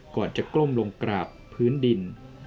ก่อนจะก้มลงกราบพื้นดิน